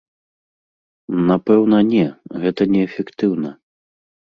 Напэўна не, гэта неэфектыўна.